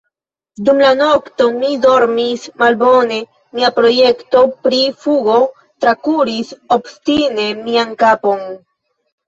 Dum la nokto, mi dormis malbone; mia projekto pri fugo trakuris obstine mian kapon.